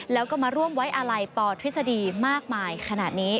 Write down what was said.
แล้วก็มาร่วมไว้อาลัยปทฤษฎีมากมายขนาดนี้